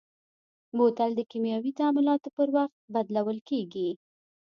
بوتل د کیمیاوي تعاملاتو پر وخت بدلول کېږي.